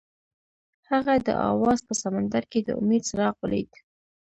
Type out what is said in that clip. هغه د اواز په سمندر کې د امید څراغ ولید.